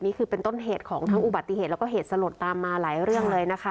นี่คือเป็นต้นเหตุของทั้งอุบัติเหตุแล้วก็เหตุสลดตามมาหลายเรื่องเลยนะคะ